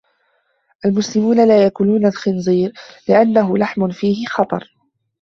المسلمون لا يأكلون الخنزير لأنّه لحم فيه خطر.